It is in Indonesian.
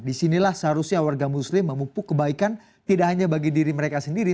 disinilah seharusnya warga muslim memupuk kebaikan tidak hanya bagi diri mereka sendiri